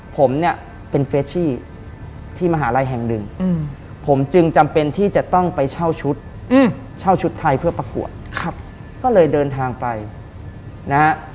ผมเนี่ยเป็นเฟชชี่ที่มหาลัยแห่งหนึ่งผมจึงจำเป็นที่จะต้องไปเช่าชุดเช่าชุดไทยเพื่อประกวดครับก็เลยเดินทางไปนะฮะ